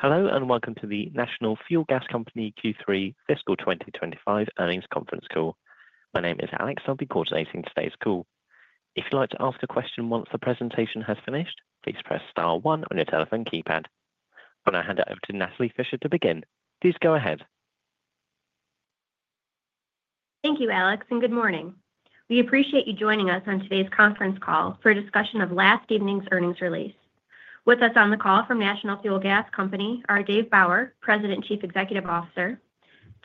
Hello and welcome to the National Fuel Gas Company Q3 Fiscal 2025 earnings conference call. My name is Alex. I'll be coordinating today's call. If you'd like to ask a question once the presentation has finished, please press star one on your telephone keypad. I'm going to hand it over to Natalie Fischer to begin. Please go ahead. Thank you, Alex, and good morning. We appreciate you joining us on today's conference call for a discussion of last evening's earnings release. With us on the call from National Fuel Gas Company are Dave Bauer, President, Chief Executive Officer;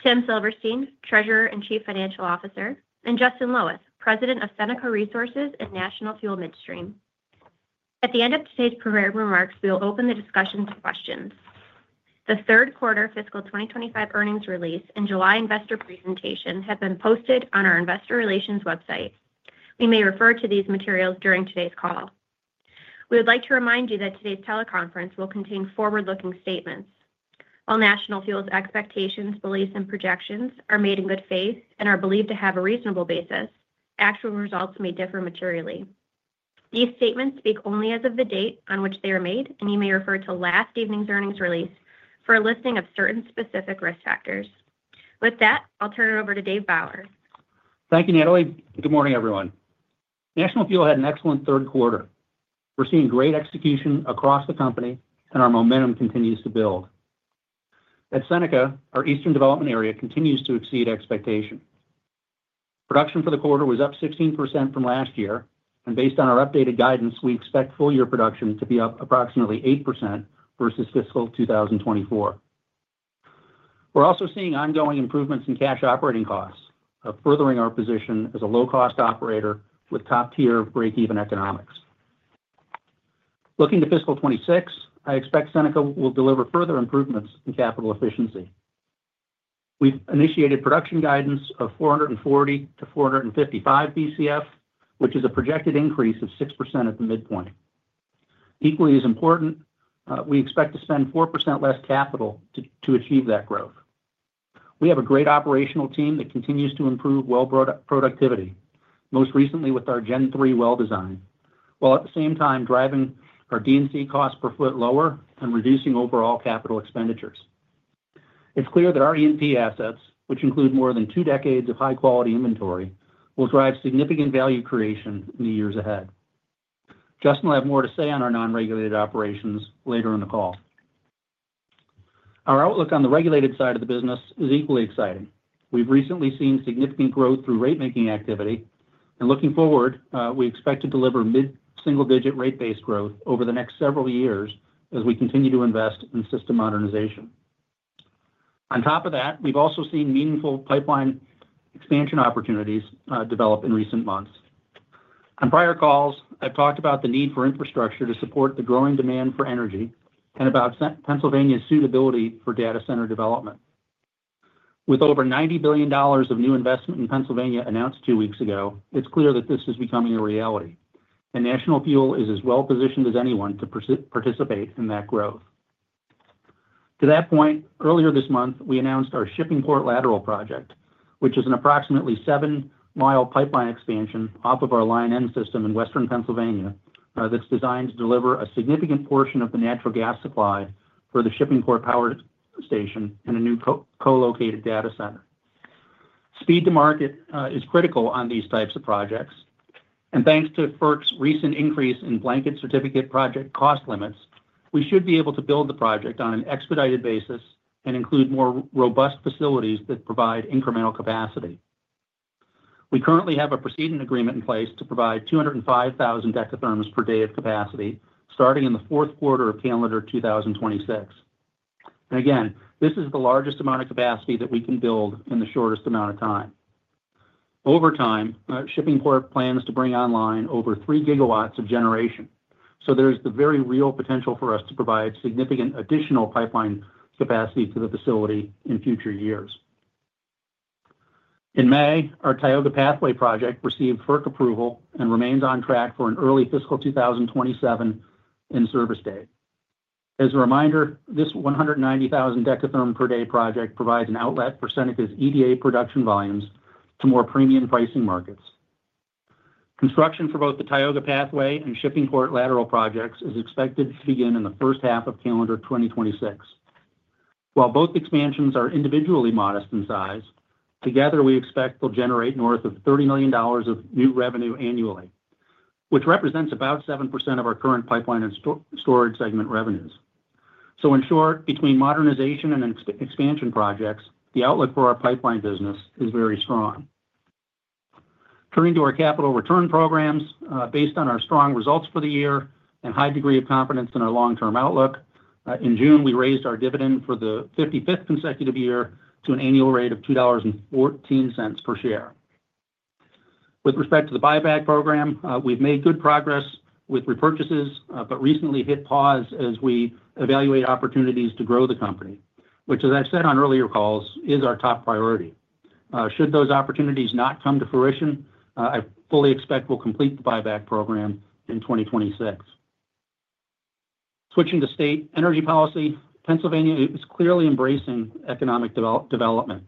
Tim Silverstein, Treasurer and Chief Financial Officer; and Justin Loweth, President of Seneca Resources Company and National Fuel Gas Midstream Company. At the end of today's prepared remarks, we will open the discussion to questions. The third quarter Fiscal 2025 earnings release and July investor presentation have been posted on our investor relations website. We may refer to these materials during today's call. We would like to remind you that today's teleconference will contain forward-looking statements. All National Fuel Gas Company's expectations, beliefs, and projections are made in good faith and are believed to have a reasonable basis. Actual results may differ materially. These statements speak only as of the date on which they were made, and you may refer to last evening's earnings release for a listing of certain specific risk factors. With that, I'll turn it over to Dave Bauer. Thank you, Natalie. Good morning, everyone. National Fuel Gas Company had an excellent third quarter. We're seeing great execution across the company, and our momentum continues to build. At Seneca Resources Company, our Eastern Development area continues to exceed expectation. Production for the quarter was up 16% from last year, and based on our updated guidance, we expect full-year production to be up approximately 8% versus fiscal 2024. We're also seeing ongoing improvements in cash operating costs, furthering our position as a low-cost operator with top-tier break-even economics. Looking to fiscal 2026, I expect Seneca Resources Company will deliver further improvements in capital efficiency. We've initiated production guidance of 440-455 bcf, which is a projected increase of 6% at the midpoint. Equally as important, we expect to spend 4% less capital to achieve that growth. We have a great operational team that continues to improve well productivity, most recently with our Gen 3 well design, while at the same time driving our D&C cost per foot lower and reducing overall capital expenditures. It's clear that our E&P assets, which include more than two decades of high-quality inventory, will drive significant value creation in the years ahead. Justin Loweth will have more to say on our non-regulated operations later in the call. Our outlook on the regulated side of the business is equally exciting. We've recently seen significant growth through rate-making activity, and looking forward, we expect to deliver mid-single-digit rate base growth over the next several years as we continue to invest in system modernization. On top of that, we've also seen meaningful pipeline expansion opportunities develop in recent months. On prior calls, I've talked about the need for infrastructure to support the growing demand for energy and about Pennsylvania's suitability for data center development. With over $90 billion of new investment in Pennsylvania announced two weeks ago, it's clear that this is becoming a reality, and National Fuel Gas Company is as well-positioned as anyone to participate in that growth. To that point, earlier this month, we announced our Shippingport Lateral project, which is an approximately seven-mile pipeline expansion off of our Line N system in western Pennsylvania that's designed to deliver a significant portion of the natural gas supply for the Shippingport power station and a new co-located data center. Speed to market is critical on these types of projects, and thanks to FERC's recent increase in blanket certificate project cost limits, we should be able to build the project on an expedited basis and include more robust facilities that provide incremental capacity. We currently have a precedent agreement in place to provide 205,000 decatherms per day of capacity, starting in the fourth quarter of calendar 2026. This is the largest amount of capacity that we can build in the shortest amount of time. Over time, Shippingport plans to bring online over three gigawatts of generation, so there is the very real potential for us to provide significant additional pipeline capacity to the facility in future years. In May, our Tioga Pathway project received FERC approval and remains on track for an early fiscal 2027 in-service date. As a reminder, this 190,000 dekatherm per day project provides an outlet for Seneca's EDA production volumes to more premium pricing markets. Construction for both the Tioga Pathway and Shippingport Lateral projects is expected to begin in the first half of calendar 2026. While both expansions are individually modest in size, together we expect they'll generate north of $30 million of new revenue annually, which represents about 7% of our current pipeline and storage segment revenues. In short, between modernization and expansion projects, the outlook for our pipeline business is very strong. Turning to our capital return programs, based on our strong results for the year and high degree of confidence in our long-term outlook, in June we raised our dividend for the 55th consecutive year to an annual rate of $2.14 per share. With respect to the buyback program, we've made good progress with repurchases, but recently hit pause as we evaluate opportunities to grow the company, which, as I've said on earlier calls, is our top priority. Should those opportunities not come to fruition, I fully expect we'll complete the buyback program in 2026. Switching to state energy policy, Pennsylvania is clearly embracing economic development.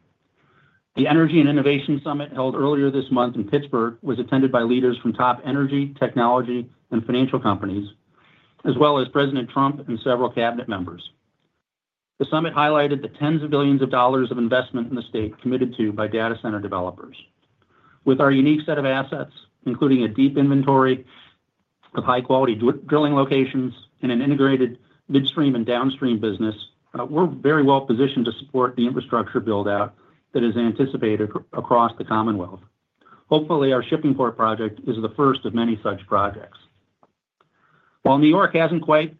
The Energy and Innovation Summit held earlier this month in Pittsburgh was attended by leaders from top energy, technology, and financial companies, as well as President Trump and several cabinet members. The summit highlighted the tens of billions of dollars of investment in the state committed to by data center developers. With our unique set of assets, including a deep inventory of high-quality drilling locations and an integrated midstream and downstream business, we're very well positioned to support the infrastructure build-out that is anticipated across the Commonwealth. Hopefully, our Shippingport Lateral Project is the first of many such projects. While New York hasn't quite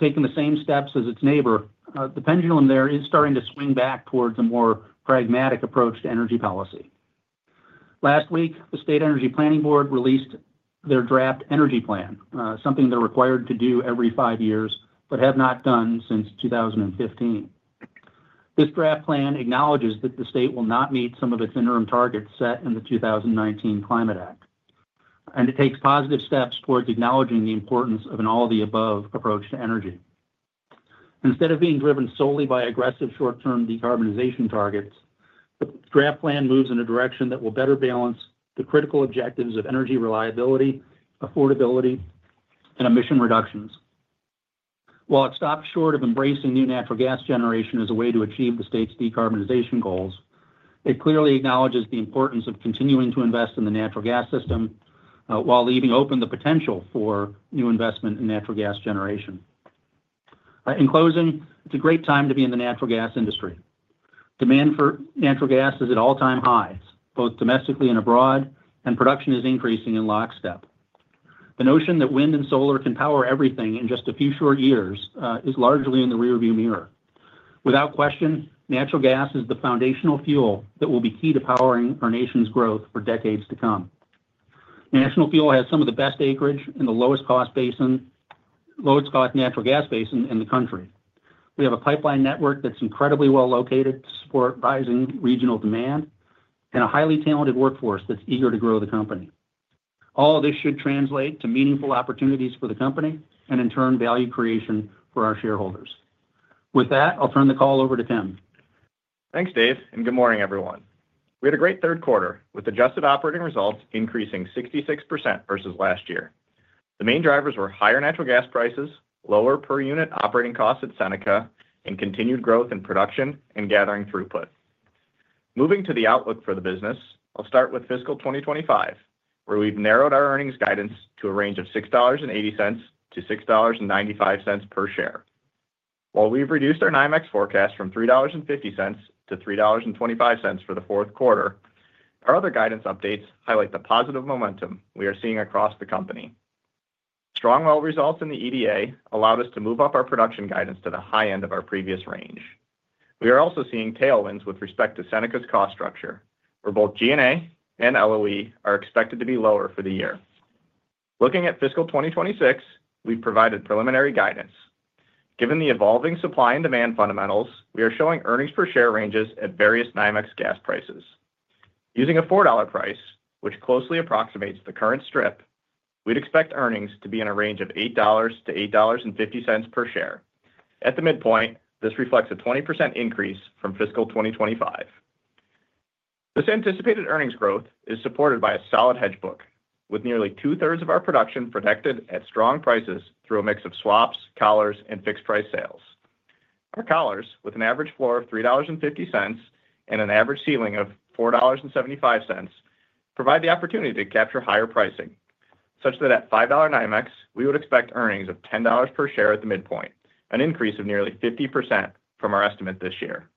taken the same steps as its neighbor, the pendulum there is starting to swing back towards a more pragmatic approach to energy policy. Last week, the State Energy Planning Board released their draft energy plan, something they're required to do every five years, but have not done since 2015. This draft plan acknowledges that the state will not meet some of its interim targets set in the 2019 Climate Act, and it takes positive steps towards acknowledging the importance of an all-the-above approach to energy. Instead of being driven solely by aggressive short-term decarbonization targets, the draft plan moves in a direction that will better balance the critical objectives of energy reliability, affordability, and emission reductions. While it stops short of embracing new natural gas generation as a way to achieve the state's decarbonization goals, it clearly acknowledges the importance of continuing to invest in the natural gas system while leaving open the potential for new investment in natural gas generation. In closing, it's a great time to be in the natural gas industry. Demand for natural gas is at all-time highs, both domestically and abroad, and production is increasing in lockstep. The notion that wind and solar can power everything in just a few short years is largely in the rearview mirror. Without question, natural gas is the foundational fuel that will be key to powering our nation's growth for decades to come. National Fuel Gas Company has some of the best acreage in the lowest-cost natural gas basin in the country. We have a pipeline network that's incredibly well-located to support rising regional demand and a highly talented workforce that's eager to grow the company. All of this should translate to meaningful opportunities for the company and, in turn, value creation for our shareholders. With that, I'll turn the call over to Tim. Thanks, Dave, and good morning, everyone. We had a great third quarter with adjusted operating results increasing 66% versus last year. The main drivers were higher natural gas prices, lower per unit operating costs at Seneca, and continued growth in production and gathering throughput. Moving to the outlook for the business, I'll start with fiscal 2025, where we've narrowed our earnings guidance to a range of $6.80-$6.95 per share. While we've reduced our Nymex forecast from $3.50-$3.25 for the fourth quarter, our other guidance updates highlight the positive momentum we are seeing across the company. Strong well results in the EDA allowed us to move up our production guidance to the high end of our previous range. We are also seeing tailwinds with respect to Seneca's cost structure, where both G&A and LOE are expected to be lower for the year. Looking at fiscal 2026, we've provided preliminary guidance. Given the evolving supply and demand fundamentals, we are showing earnings per share ranges at various Nymex gas prices. Using a $4 price, which closely approximates the current strip, we'd expect earnings to be in a range of $8-$8.50 per share. At the midpoint, this reflects a 20% increase from fiscal 2025. This anticipated earnings growth is supported by a solid hedge book, with nearly 2/3 of our production protected at strong prices through a mix of swaps, collars, and fixed-price sales. Our collars, with an average floor of $3.50 and an average ceiling of $4.75, provide the opportunity to capture higher pricing, such that at $5 Nymex, we would expect earnings of $10 per share at the midpoint, an increase of nearly 50% from our estimate this year.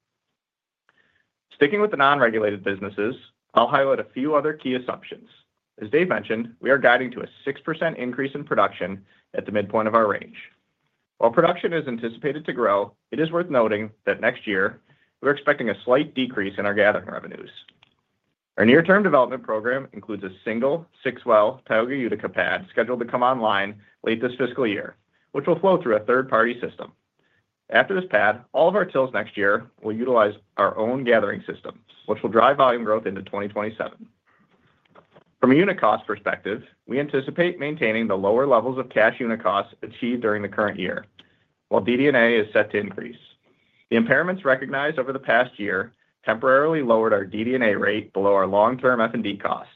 Sticking with the non-regulated businesses, I'll highlight a few other key assumptions. As Dave mentioned, we are guiding to a 6% increase in production at the midpoint of our range. While production is anticipated to grow, it is worth noting that next year we're expecting a slight decrease in our gathering revenues. Our near-term development program includes a single 6-well Tioga Utica pad scheduled to come online late this fiscal year, which will flow through a third-party system. After this pad, all of our tills next year will utilize our own gathering system, which will drive volume growth into 2027. From a unit cost perspective, we anticipate maintaining the lower levels of cash unit costs achieved during the current year, while DD&A is set to increase. The impairments recognized over the past year temporarily lowered our DD&A rate below our long-term F&D cost.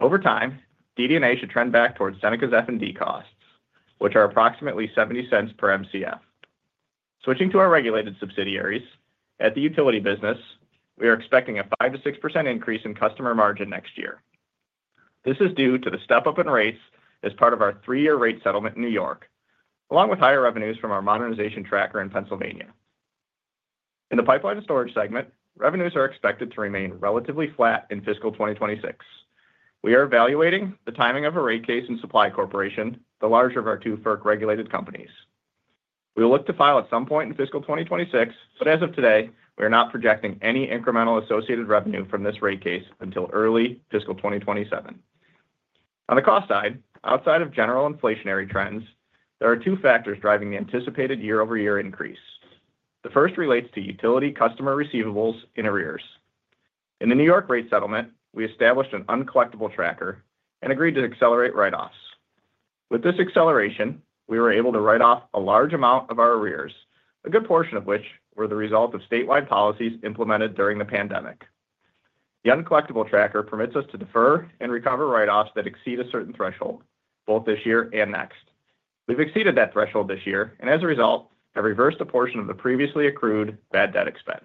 Over time, DD&A should trend back towards Seneca's F&D costs, which are approximately $0.70 per MCF. Switching to our regulated subsidiaries, at the utility business, we are expecting a 5%-6% increase in customer margin next year. This is due to the step-up in rates as part of our three-year rate settlement in New York, along with higher revenues from our modernization tracker in Pennsylvania. In the pipeline and storage segment, revenues are expected to remain relatively flat in fiscal 2026. We are evaluating the timing of a rate case in Supply Corporation, the larger of our two FERC-regulated companies. We will look to file at some point in fiscal 2026, but as of today, we are not projecting any incremental associated revenue from this rate case until early fiscal 2027. On the cost side, outside of general inflationary trends, there are two factors driving the anticipated year-over-year increase. The first relates to utility customer receivables in arrears. In the New York rate settlement, we established an uncollectible tracker and agreed to accelerate write-offs. With this acceleration, we were able to write off a large amount of our arrears, a good portion of which were the result of statewide policies implemented during the pandemic. The uncollectible tracker permits us to defer and recover write-offs that exceed a certain threshold, both this year and next. We've exceeded that threshold this year, and as a result, have reversed a portion of the previously accrued bad debt expense.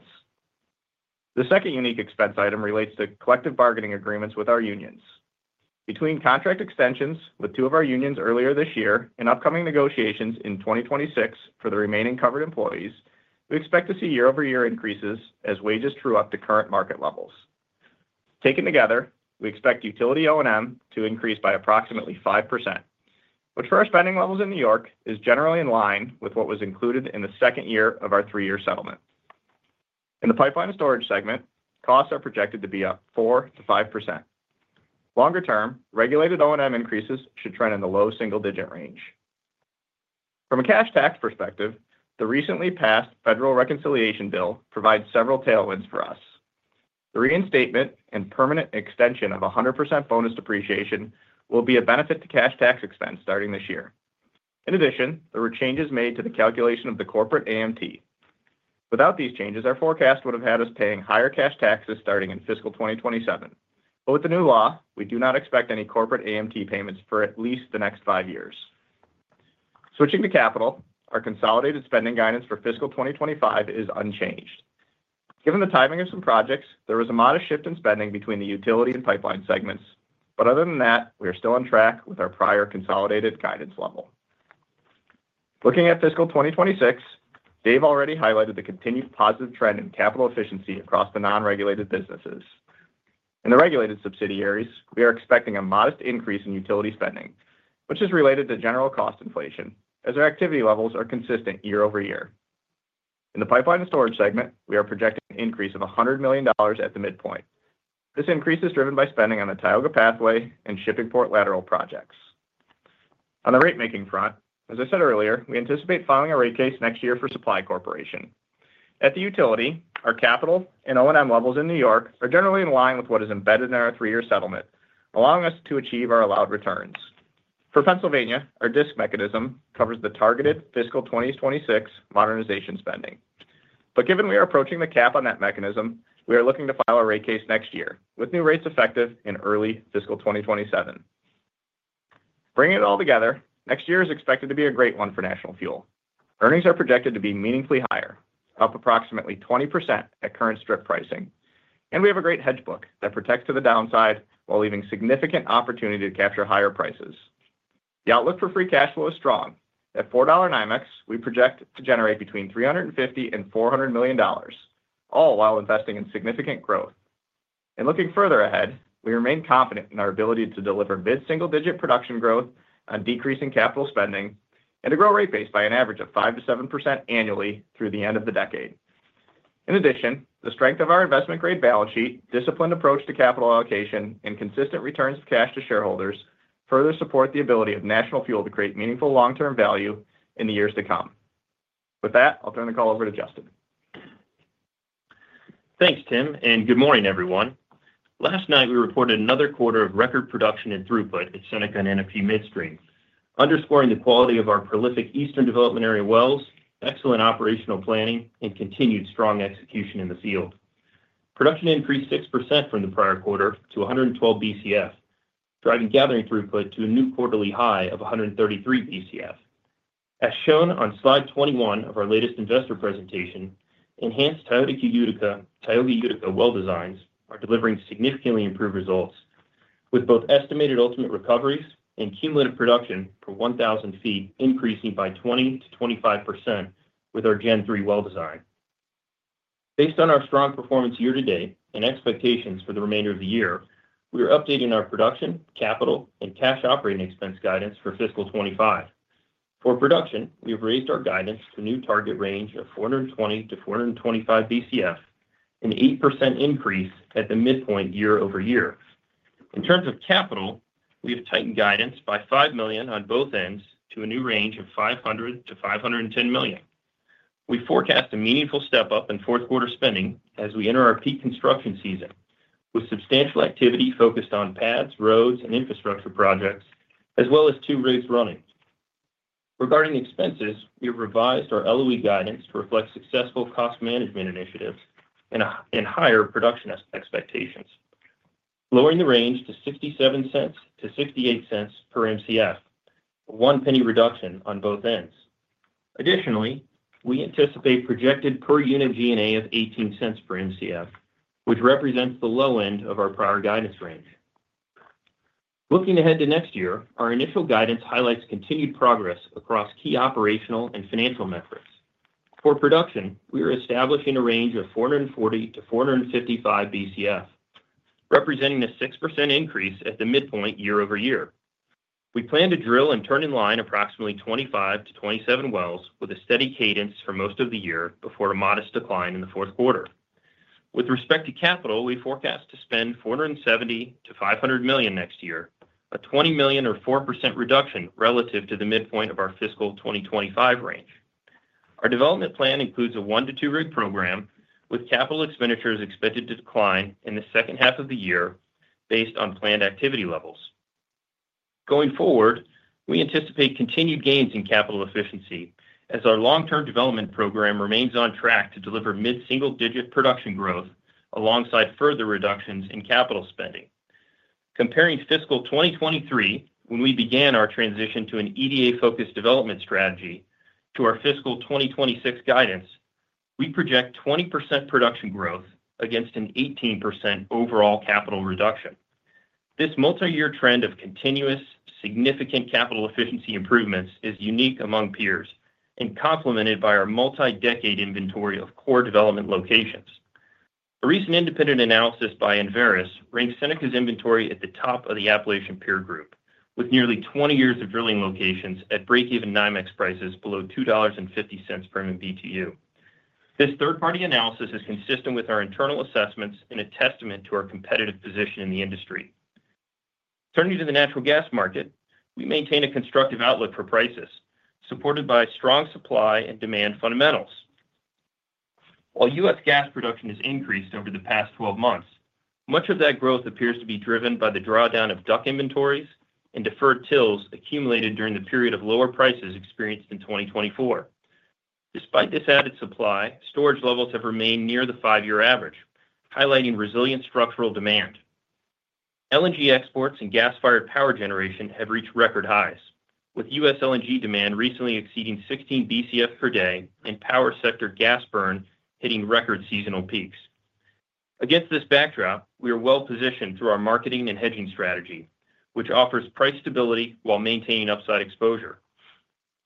The second unique expense item relates to collective bargaining agreements with our unions. Between contract extensions with two of our unions earlier this year and upcoming negotiations in 2026 for the remaining covered employees, we expect to see year-over-year increases as wages true up to current market levels. Taken together, we expect utility O&M to increase by approximately 5%, which for our spending levels in New York is generally in line with what was included in the second year of our three-year settlement. In the pipeline and storage segment, costs are projected to be up 4%-5%. Longer-term, regulated O&M increases should trend in the low single-digit range. From a cash tax perspective, the recently passed federal reconciliation bill provides several tailwinds for us. The reinstatement and permanent extension of 100% bonus depreciation will be a benefit to cash tax expense starting this year. In addition, there were changes made to the calculation of the corporate AMT. Without these changes, our forecast would have had us paying higher cash taxes starting in fiscal 2027. With the new law, we do not expect any corporate AMT payments for at least the next five years. Switching to capital, our consolidated spending guidance for fiscal 2025 is unchanged. Given the timing of some projects, there was a modest shift in spending between the utility and pipeline segments, but other than that, we are still on track with our prior consolidated guidance level. Looking at fiscal 2026, Dave already highlighted the continued positive trend in capital efficiency across the non-regulated businesses. In the regulated subsidiaries, we are expecting a modest increase in utility spending, which is related to general cost inflation, as our activity levels are consistent year over year. In the pipeline and storage segment, we are projecting an increase of $100 million at the midpoint. This increase is driven by spending on the Tioga Pathway and Shippingport Lateral projects. On the rate-making front, as I said earlier, we anticipate filing a rate case next year for Supply Corporation. At the utility, our capital and O&M levels in New York are generally in line with what is embedded in our three-year settlement, allowing us to achieve our allowed returns. For Pennsylvania, our DISC mechanism covers the targeted fiscal 2026 modernization spending. Given we are approaching the cap on that mechanism, we are looking to file a rate case next year, with new rates effective in early fiscal 2027. Bringing it all together, next year is expected to be a great one for National Fuel Gas Company. Earnings are projected to be meaningfully higher, up approximately 20% at current strip pricing, and we have a great hedge book that protects to the downside while leaving significant opportunity to capture higher prices. The outlook for free cash flow is strong. At $4 Nymex gas, we project to generate between $350 million and $400 million, all while investing in significant growth. In looking further ahead, we remain confident in our ability to deliver mid-single-digit production growth on decreasing capital spending and to grow rate base by an average of 5%-7% annually through the end of the decade. In addition, the strength of our investment-grade balance sheet, disciplined approach to capital allocation, and consistent returns of cash to shareholders further support the ability of National Fuel to create meaningful long-term value in the years to come. With that, I'll turn the call over to Justin. Thanks, Tim, and good morning, everyone. Last night, we reported another quarter of record production and throughput at Seneca Resources Company and National Fuel Gas Midstream Company, underscoring the quality of our prolific Eastern Development area wells, excellent operational planning, and continued strong execution in the field. Production increased 6% from the prior quarter to 112 bcf, driving gathering throughput to a new quarterly high of 133 bcf. As shown on slide 21 of our latest investor presentation, enhanced Tioga Utica well designs are delivering significantly improved results, with both estimated ultimate recoveries and cumulative production per 1,000 feet increasing by 20% -25% with our Gen 3 well design. Based on our strong performance year-to-date and expectations for the remainder of the year, we are updating our production, capital, and cash operating expense guidance for fiscal 2025. For production, we have raised our guidance to a new target range of 420-425 bcf, an 8% increase at the midpoint year over year. In terms of capital, we have tightened guidance by $5 million on both ends to a new range of $500 million-$510 million. We forecast a meaningful step up in fourth quarter spending as we enter our peak construction season, with substantial activity focused on pads, roads, and infrastructure projects, as well as two rigs running. Regarding expenses, we have revised our LOE guidance to reflect successful cost management initiatives and higher production expectations, lowering the range to $0.67-$0.68 per mcf, a one penny reduction on both ends. Additionally, we anticipate projected per unit G&A of $0.18 per mcf, which represents the low end of our prior guidance range. Looking ahead to next year, our initial guidance highlights continued progress across key operational and financial metrics. For production, we are establishing a range of 440-455 bcf, representing a 6% increase at the midpoint year over year. We plan to drill and turn in line approximately 25-27 wells with a steady cadence for most of the year before a modest decline in the fourth quarter. With respect to capital, we forecast to spend $470 million-$500 million next year, a $20 million or 4% reduction relative to the midpoint of our fiscal 2025 range. Our development plan includes a 1-2 rig program, with capital expenditures expected to decline in the second half of the year based on planned activity levels. Going forward, we anticipate continued gains in capital efficiency as our long-term development program remains on track to deliver mid-single-digit production growth alongside further reductions in capital spending. Comparing fiscal 2023, when we began our transition to an EDA-focused development strategy, to our fiscal 2026 guidance, we project 20% production growth against an 18% overall capital reduction. This multi-year trend of continuous, significant capital efficiency improvements is unique among peers and complemented by our multi-decade inventory of core development locations. A recent independent analysis by Enverus ranks Seneca's inventory at the top of the Appalachian Peer Group, with nearly 20 years of drilling locations at break-even NYMEX prices below $2.50 per MMBtu. This third-party analysis is consistent with our internal assessments and a testament to our competitive position in the industry. Turning to the natural gas market, we maintain a constructive outlook for prices, supported by strong supply and demand fundamentals. While U.S. gas production has increased over the past 12 months, much of that growth appears to be driven by the drawdown of DUC inventories and deferred tills accumulated during the period of lower prices experienced in 2024. Despite this added supply, storage levels have remained near the five-year average, highlighting resilient structural demand. LNG exports and gas-fired power generation have reached record highs, with U.S. LNG demand recently exceeding 16 bcf per day and power sector gas burn hitting record seasonal peaks. Against this backdrop, we are well positioned through our marketing and hedging strategy, which offers price stability while maintaining upside exposure.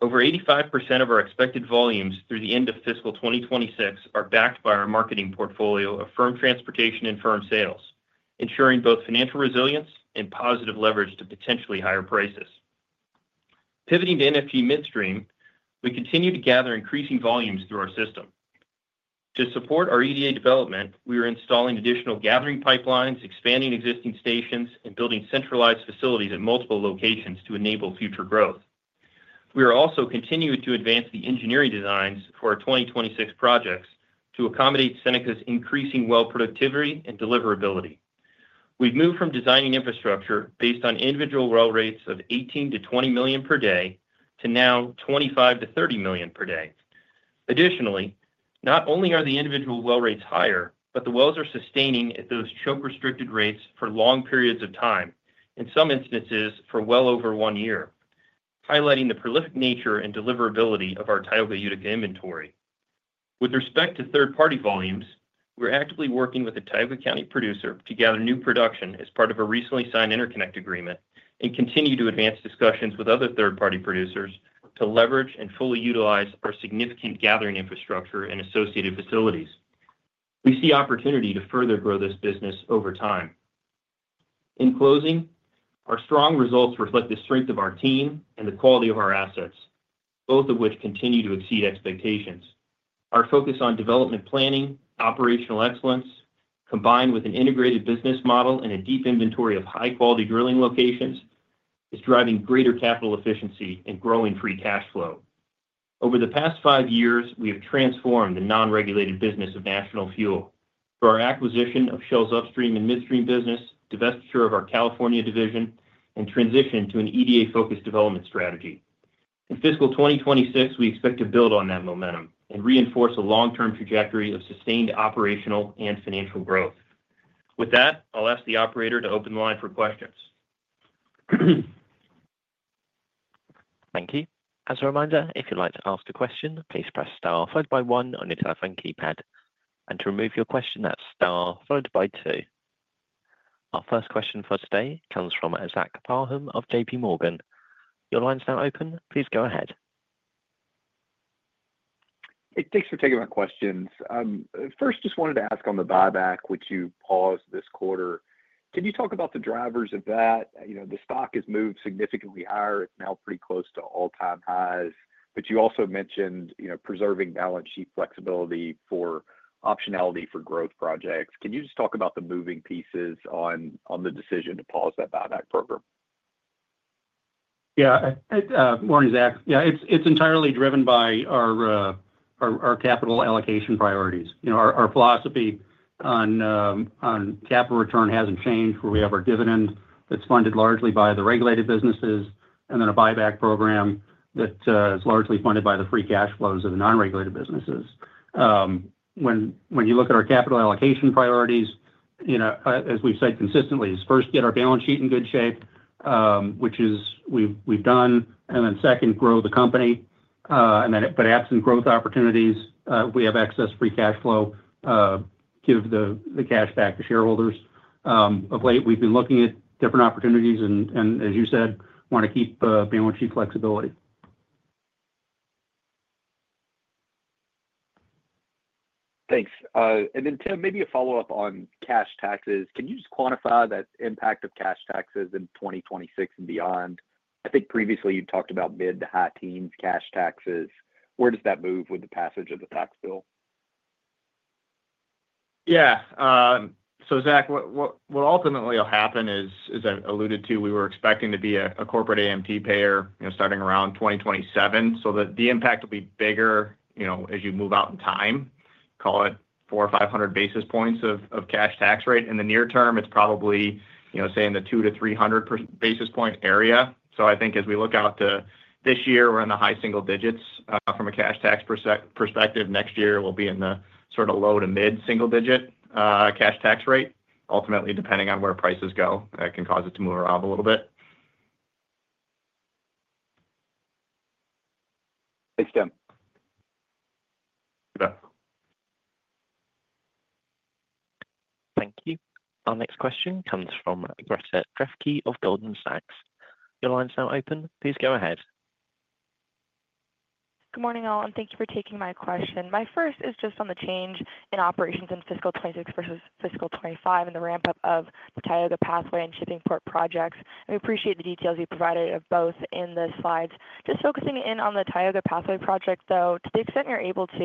Over 85% of our expected volumes through the end of fiscal 2026 are backed by our marketing portfolio of firm transportation and firm sales, ensuring both financial resilience and positive leverage to potentially higher prices. Pivoting to National Fuel Gas Midstream Company, we continue to gather increasing volumes through our system. To support our EDA development, we are installing additional gathering pipelines, expanding existing stations, and building centralized facilities at multiple locations to enable future growth. We are also continuing to advance the engineering designs for our 2026 projects to accommodate Seneca's increasing well productivity and deliverability. We've moved from designing infrastructure based on individual well rates of 18 million-20 million per day to now 25 million-30 million per day. Additionally, not only are the individual well rates higher, but the wells are sustaining at those choke-restricted rates for long periods of time, in some instances for well over one year, highlighting the prolific nature and deliverability of our Tioga Utica inventory. With respect to third-party volumes, we're actively working with a Tioga County producer to gather new production as part of a recently signed interconnect agreement and continue to advance discussions with other third-party producers to leverage and fully utilize our significant gathering infrastructure and associated facilities. We see opportunity to further grow this business over time. In closing, our strong results reflect the strength of our team and the quality of our assets, both of which continue to exceed expectations. Our focus on development planning, operational excellence, combined with an integrated business model and a deep inventory of high-quality drilling locations, is driving greater capital efficiency and growing free cash flow. Over the past five years, we have transformed the non-regulated business of National Fuel Gas Company through our acquisition of Shell's upstream and midstream business, divestiture of our California division, and transitioned to an EDA-focused development strategy. In fiscal 2026, we expect to build on that momentum and reinforce a long-term trajectory of sustained operational and financial growth. With that, I'll ask the operator to open the line for questions. Thank you. As a reminder, if you'd like to ask a question, please press star followed by one on your telephone keypad. To remove your question, that's star followed by two. Our first question for today comes from Zachary Parham of JPMorgan. Your line's now open. Please go ahead. Thanks for taking my questions. First, I just wanted to ask on the buyback, which you paused this quarter. Can you talk about the drivers of that? The stock has moved significantly higher. It's now pretty close to all-time highs. You also mentioned preserving balance sheet flexibility for optionality for growth projects. Can you just talk about the moving pieces on the decision to pause that buyback program? Yeah, it's more exact. It's entirely driven by our capital allocation priorities. Our philosophy on capital return hasn't changed, where we have our dividend that's funded largely by the regulated businesses and then a buyback program that is largely funded by the free cash flows of the non-regulated businesses. When you look at our capital allocation priorities, as we've said consistently, it's first get our balance sheet in good shape, which we've done, and then second, grow the company. Absent growth opportunities, we have excess free cash flow, give the cash back to shareholders. Of late, we've been looking at different opportunities and, as you said, want to keep balance sheet flexibility. Thanks. Tim, maybe a follow-up on cash taxes. Can you just quantify that impact of cash taxes in 2026 and beyond? I think previously you talked about mid to high teens cash taxes. Where does that move with the passage of the tax bill? Yeah. Zach, what ultimately will happen is, as I alluded to, we were expecting to be a corporate AMT payer, you know, starting around 2027. The impact will be bigger, you know, as you move out in time. Call it 400-500 basis points of cash tax rate. In the near term, it's probably, you know, say in the 200-300 basis point area. I think as we look out to this year, we're in the high single digits. From a cash tax perspective, next year we'll be in the sort of low to mid-single-digit cash tax rate. Ultimately, depending on where prices go, that can cause it to move around a little bit. Thanks, Tim. You bet. Thank you. Our next question comes from Greta Drefke of Goldman Sachs. Your line's now open. Please go ahead. Good morning all, and thank you for taking my question. My first is just on the change in operations in fiscal 2026 versus fiscal 2025 and the ramp-up of the Tioga Pathway and Shippingport Lateral projects. We appreciate the details you provided of both in the slides. Just focusing in on the Tioga Pathway project, though, to the extent you're able to,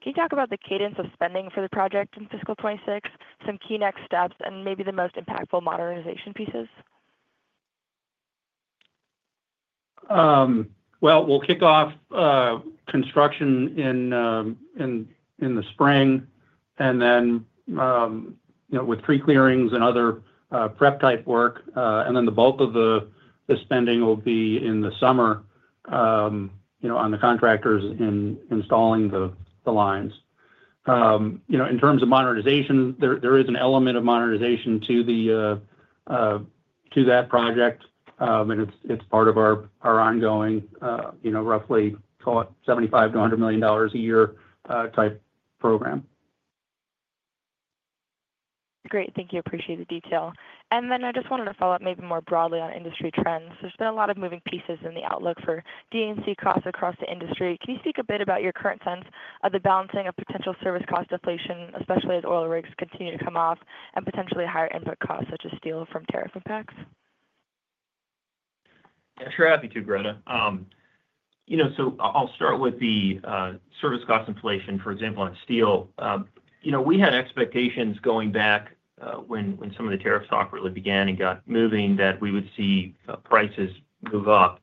can you talk about the cadence of spending for the project in fiscal 2026, some key next steps, and maybe the most impactful modernization pieces? We'll kick off construction in the spring, and then, you know, with pre-clearings and other prep-type work, the bulk of the spending will be in the summer, you know, on the contractors in installing the lines. In terms of modernization, there is an element of modernization to that project, and it's part of our ongoing, you know, roughly call it $75 million-$100 million a year type program. Great. Thank you. I appreciate the detail. I just wanted to follow up maybe more broadly on industry trends. There's been a lot of moving pieces in the outlook for D&C costs across the industry. Can you speak a bit about your current sense of the balancing of potential service cost deflation, especially as oil rigs continue to come off, and potentially higher input costs such as steel from tariff impacts? Yeah, sure. Happy to, Greta. I'll start with the service cost inflation, for example, on steel. We had expectations going back when some of the tariffs awkwardly began and got moving that we would see prices move up,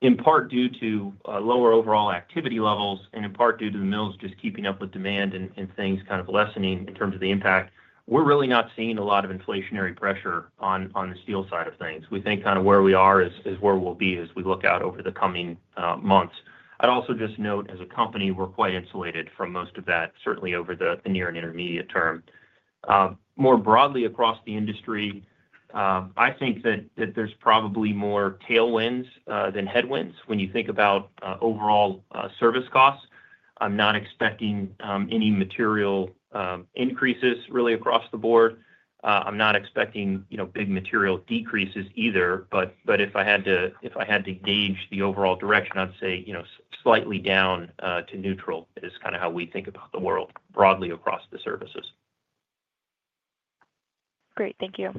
in part due to lower overall activity levels and in part due to the mills just keeping up with demand and things kind of lessening in terms of the impact. We're really not seeing a lot of inflationary pressure on the steel side of things. We think kind of where we are is where we'll be as we look out over the coming months. I'd also just note, as a company, we're quite insulated from most of that, certainly over the near and intermediate term. More broadly across the industry, I think that there's probably more tailwinds than headwinds when you think about overall service costs. I'm not expecting any material increases really across the board. I'm not expecting big material decreases either. If I had to gauge the overall direction, I'd say slightly down to neutral is kind of how we think about the world broadly across the services. Great. Thank you.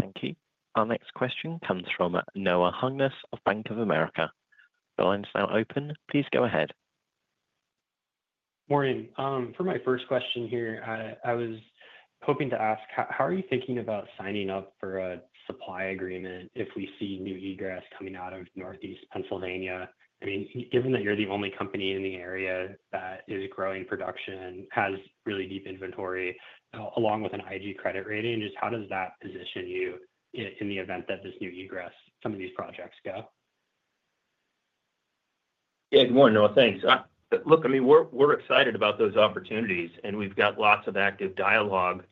Thank you. Our next question comes from Noah Hungness of Bank of America. The line's now open. Please go ahead. Morning. For my first question here, I was hoping to ask, how are you thinking about signing up for a supply agreement if we see new egress coming out of northeast Pennsylvania? I mean, given that you're the only company in the area that is growing production, has really deep inventory, along with an IG credit rating, just how does that position you in the event that this new egress, some of these projects go? Yeah, good morning, Noah. Thanks. Look, I mean, we're excited about those opportunities, and we've got lots of active dialogue.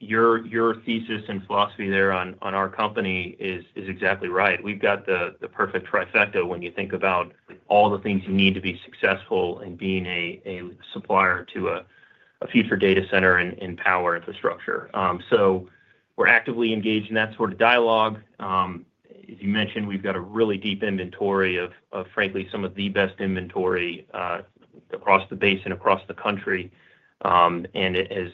Your thesis and philosophy there on our company is exactly right. We've got the perfect trifecta when you think about all the things you need to be successful in being a supplier to a future data center and power infrastructure. We're actively engaged in that sort of dialogue. As you mentioned, we've got a really deep inventory of, frankly, some of the best inventory across the basin, across the country. As you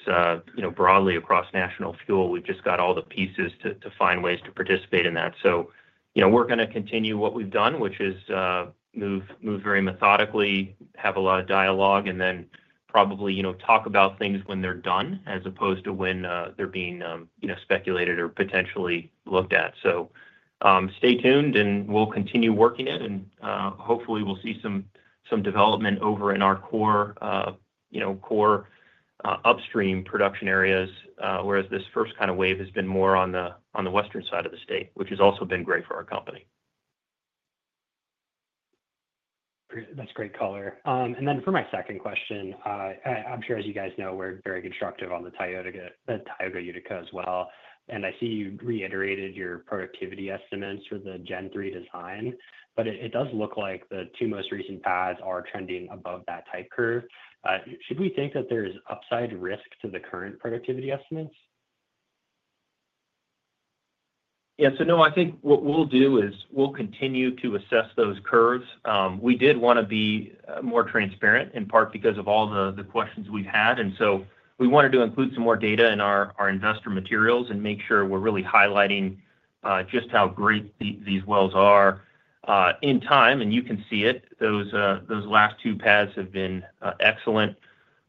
know, broadly across National Fuel Gas Company, we've just got all the pieces to find ways to participate in that. We're going to continue what we've done, which is move very methodically, have a lot of dialogue, and then probably talk about things when they're done as opposed to when they're being speculated or potentially looked at. Stay tuned, and we'll continue working it. Hopefully, we'll see some development over in our core upstream production areas, whereas this first kind of wave has been more on the western side of the state, which has also been great for our company. That's a great color. For my second question, I'm sure, as you guys know, we're very constructive on the Tioga Utica as well. I see you reiterated your productivity estimates for the Gen 3 well design, but it does look like the two most recent pads are trending above that type curve. Should we think that there's upside risk to the current productivity estimates? Yeah. Noah, I think what we'll do is we'll continue to assess those curves. We did want to be more transparent, in part because of all the questions we've had. We wanted to include some more data in our investor materials and make sure we're really highlighting just how great these wells are in time. You can see it. Those last two pads have been excellent.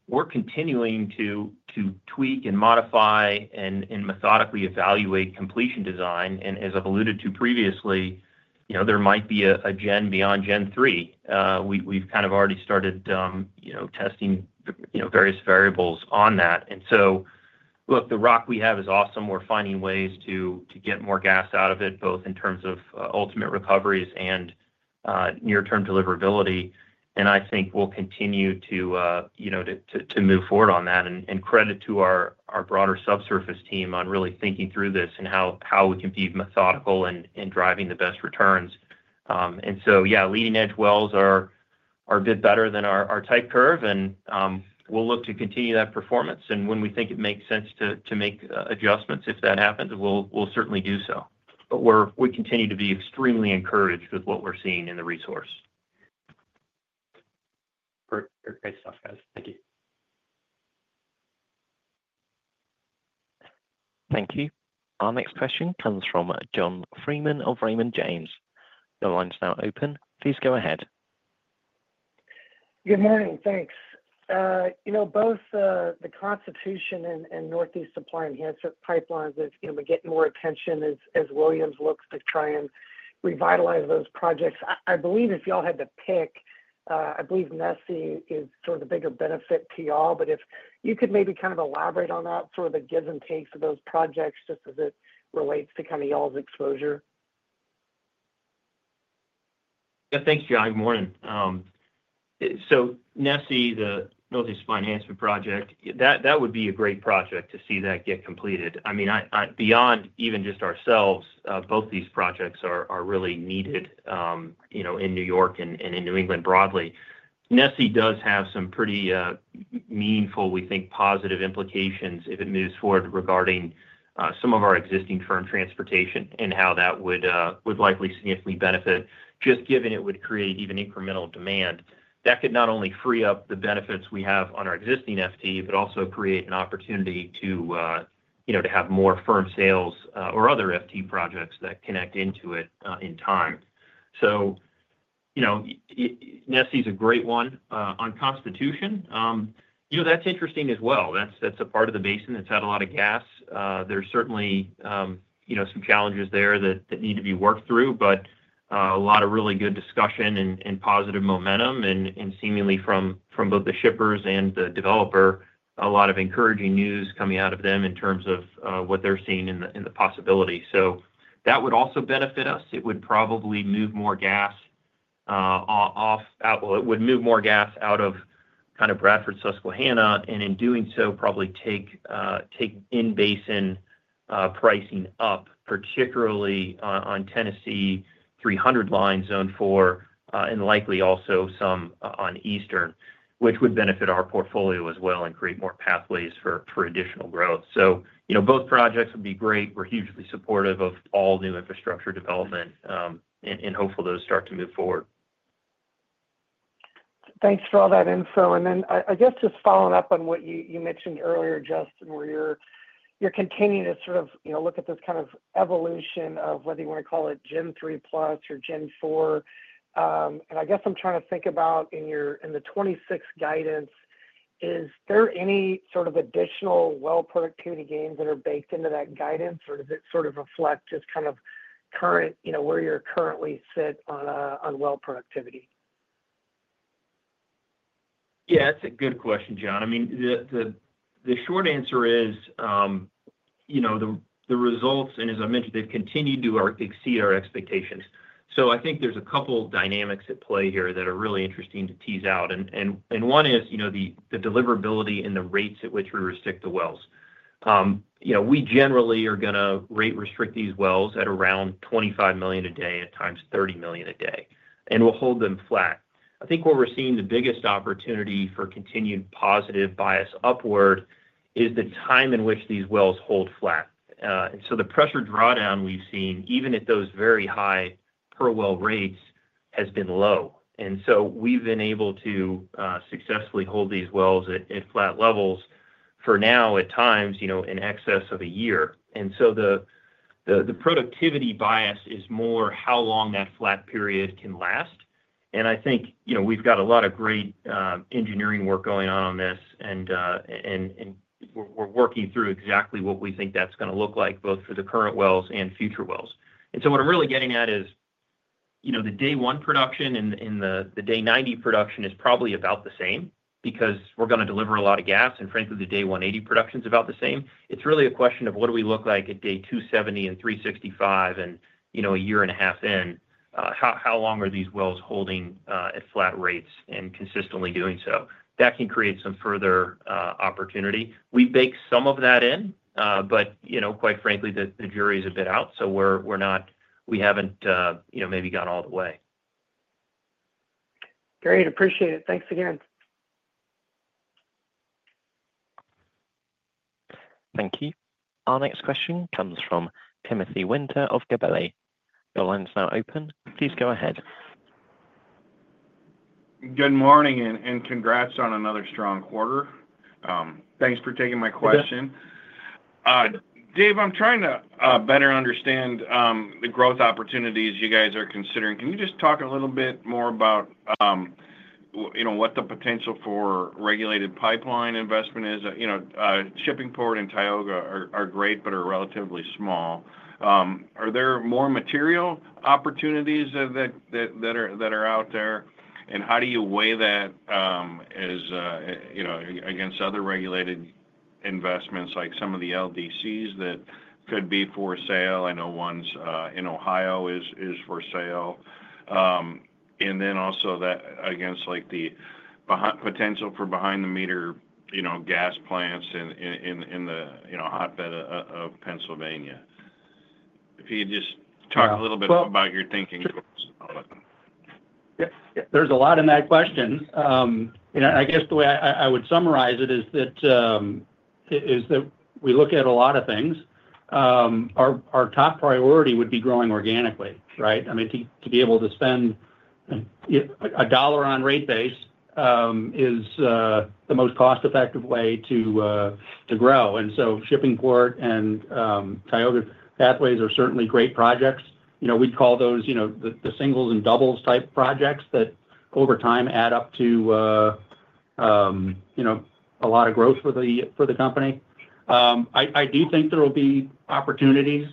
We're continuing to tweak and modify and methodically evaluate completion design. As I've alluded to previously, there might be a Gen beyond Gen 3. We've kind of already started testing various variables on that. The rock we have is awesome. We're finding ways to get more gas out of it, both in terms of ultimate recoveries and near-term deliverability. I think we'll continue to move forward on that. Credit to our broader subsurface team on really thinking through this and how we can be methodical in driving the best returns. Leading-edge wells are a bit better than our type curve, and we'll look to continue that performance. When we think it makes sense to make adjustments, if that happens, we'll certainly do so. We continue to be extremely encouraged with what we're seeing in the resource. Great stuff, guys. Thank you. Thank you. Our next question comes from John Freeman of Raymond James. Your line's now open. Please go ahead. Good morning. Thanks. You know, both the Constitution and Northeast Supply Enhancement Pipelines have been getting more attention as Williams looks to try and revitalize those projects. I believe if y'all had to pick, I believe Nessie is sort of the bigger benefit to y'all. If you could maybe kind of elaborate on that, sort of the gives and takes of those projects just as it relates to kind of y'all's exposure. Yeah, thanks, John. Good morning. Nessie, the Northeast Finance Project, that would be a great project to see get completed. I mean, beyond even just ourselves, both these projects are really needed in New York and in New England broadly. Nessie does have some pretty meaningful, we think, positive implications if it moves forward regarding some of our existing firm transportation and how that would likely significantly benefit, just given it would create even incremental demand. That could not only free up the benefits we have on our existing FT, but also create an opportunity to have more firm sales or other FT projects that connect into it in time. Nessie's a great one. On Constitution, that's interesting as well. That's a part of the basin that's had a lot of gas. There's certainly some challenges there that need to be worked through, but a lot of really good discussion and positive momentum and seemingly from both the shippers and the developer, a lot of encouraging news coming out of them in terms of what they're seeing in the possibility. That would also benefit us. It would probably move more gas out of Bradford, Susquehanna, and in doing so, probably take in basin pricing up, particularly on Tennessee 300 line, Zone 4, and likely also some on Eastern, which would benefit our portfolio as well and create more pathways for additional growth. Both projects would be great. We're hugely supportive of all new infrastructure development and hopeful those start to move forward. Thanks for all that info. I guess just following up on what you mentioned earlier, Justin, where you're continuing to sort of look at this kind of evolution of whether you want to call it Gen 3 plus or Gen 4. I guess I'm trying to think about in your in the 2026 guidance, is there any sort of additional well productivity gains that are baked into that guidance, or does it sort of reflect just kind of current, you know, where you currently sit on a well productivity? Yeah, that's a good question, John. The short answer is, you know, the results, and as I mentioned, they've continued to exceed our expectations. I think there's a couple of dynamics at play here that are really interesting to tease out. One is the deliverability and the rates at which we restrict the wells. We generally are going to rate restrict these wells at around 25 million a day, at times 30 million a day, and we'll hold them flat. I think where we're seeing the biggest opportunity for continued positive bias upward is the time in which these wells hold flat. The pressure drawdown we've seen, even at those very high per well rates, has been low. We've been able to successfully hold these wells at flat levels for now, at times, in excess of a year. The productivity bias is more how long that flat period can last. I think we've got a lot of great engineering work going on on this, and we're working through exactly what we think that's going to look like, both for the current wells and future wells. What I'm really getting at is, you know, the day one production and the day 90 production is probably about the same because we're going to deliver a lot of gas, and frankly, the day 180 production is about the same. It's really a question of what do we look like at day 270 and 365 and, you know, a year and a half in. How long are these wells holding at flat rates and consistently doing so? That can create some further opportunity. We bake some of that in, but, you know, quite frankly, the jury is a bit out. We're not, we haven't, you know, maybe gone all the way. Great. Appreciate it. Thanks again. Thank you. Our next question comes from Timothy Winter of Gabelli Funds. Your line's now open. Please go ahead. Good morning, and congrats on another strong quarter. Thanks for taking my question. Dave, I'm trying to better understand the growth opportunities you guys are considering. Can you just talk a little bit more about what the potential for regulated pipeline investment is? Shippingport and Tioga are great, but are relatively small. Are there more material opportunities that are out there, and how do you weigh that against other regulated investments like some of the LDCs that could be for sale? I know one in Ohio is for sale. Also, that against the potential for behind-the-meter gas plants in the hotbed of Pennsylvania. If you could just talk a little bit about your thinking goals. Yeah, there's a lot in that question. I guess the way I would summarize it is that we look at a lot of things. Our top priority would be growing organically, right? I mean, to be able to spend a dollar on rate base is the most cost-effective way to grow. Shippingport and Tioga Pathway are certainly great projects. We'd call those the singles and doubles type projects that over time add up to a lot of growth for the company. I do think there will be opportunities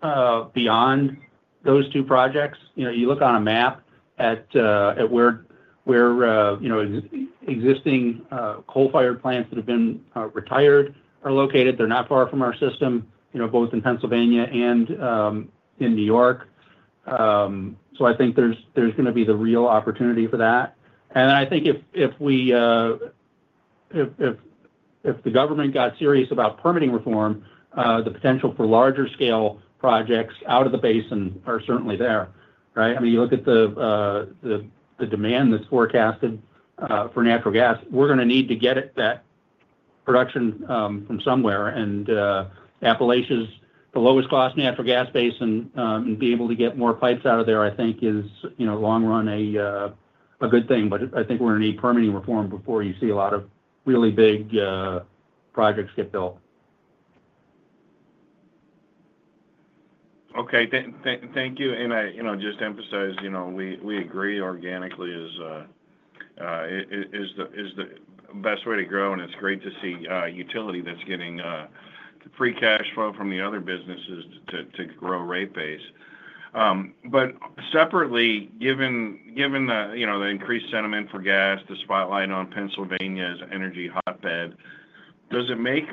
beyond those two projects. You look on a map at where existing coal-fired plants that have been retired are located. They're not far from our system, both in Pennsylvania and in New York. I think there's going to be the real opportunity for that. I think if the government got serious about permitting reform, the potential for larger-scale projects out of the basin are certainly there, right? I mean, you look at the demand that's forecasted for natural gas. We're going to need to get that production from somewhere. Appalachia's the lowest cost natural gas basin, and being able to get more pipes out of there, I think, is long run a good thing. I think we're going to need permitting reform before you see a lot of really big projects get built. Okay. Thank you. I just emphasize, you know, we agree organically is the best way to grow, and it's great to see a utility that's getting free cash flow from the other businesses to grow rate base. Separately, given the increased sentiment for gas, the spotlight on Pennsylvania's energy hotbed, does it make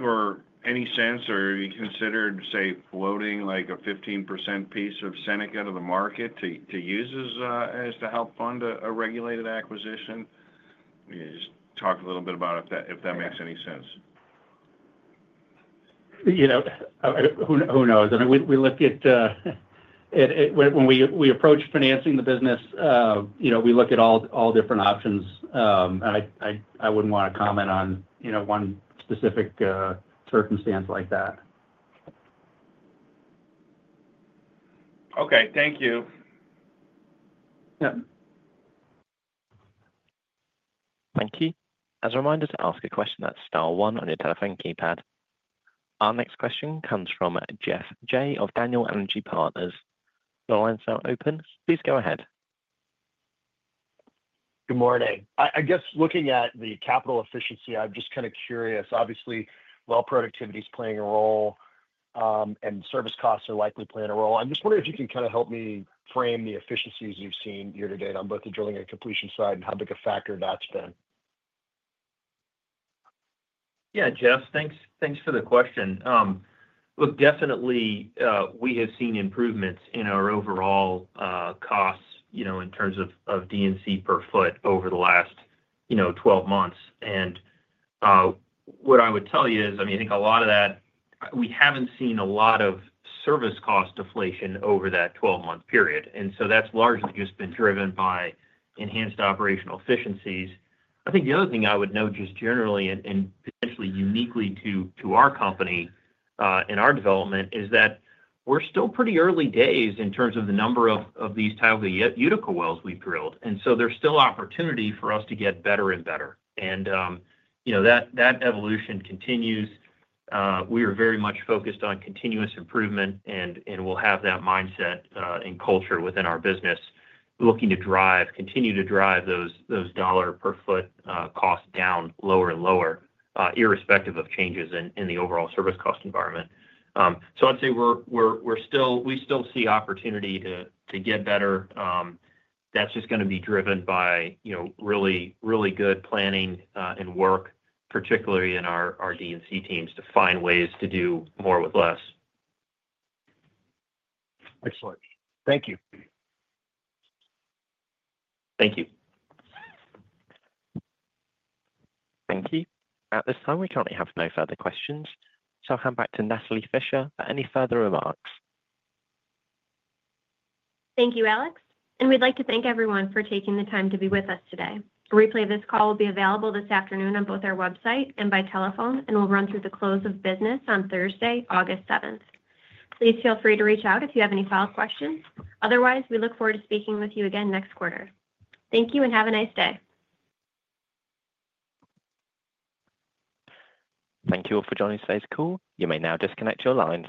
any sense, or have you considered, say, floating like a 15% piece of Seneca to the market to use as to help fund a regulated acquisition? Just talk a little bit about it if that makes any sense. Who knows? I mean, we look at when we approach financing the business, we look at all different options. I wouldn't want to comment on one specific circumstance like that. Okay, thank you. Yeah. Thank you. As a reminder to ask a question, that's star one on your telephone keypad. Our next question comes from Geoff Jay of Daniel Energy Partners. Your line's now open. Please go ahead. Good morning. I guess looking at the capital efficiency, I'm just kind of curious. Obviously, well productivity is playing a role, and service costs are likely playing a role. I'm just wondering if you can kind of help me frame the efficiencies you've seen year to date on both the drilling and completion side and how big a factor that's been. Yeah, Jeff, thanks for the question. Look, definitely, we have seen improvements in our overall costs, you know, in terms of D&C per foot over the last, you know, 12 months. What I would tell you is, I mean, I think a lot of that, we haven't seen a lot of service cost deflation over that 12-month period, and that's largely just been driven by enhanced operational efficiencies. I think the other thing I would note just generally and potentially uniquely to our company and our development is that we're still pretty early days in terms of the number of these Tioga Utica wells we've drilled, and there's still opportunity for us to get better and better. That evolution continues. We are very much focused on continuous improvement, and we'll have that mindset and culture within our business looking to drive, continue to drive those dollar per foot costs down lower and lower, irrespective of changes in the overall service cost environment. I'd say we still see opportunity to get better. That's just going to be driven by, you know, really, really good planning and work, particularly in our D&C teams to find ways to do more with less. Excellent. Thank you. Thank you. Thank you. At this time, we don't have any further questions. I'll hand back to Natalie Fischer for any further remarks. Thank you, Alex. We would like to thank everyone for taking the time to be with us today. A replay of this call will be available this afternoon on both our website and by telephone, and will run through the close of business on Thursday, August 7th. Please feel free to reach out if you have any final questions. Otherwise, we look forward to speaking with you again next quarter. Thank you and have a nice day. Thank you all for joining today's call. You may now disconnect your lines.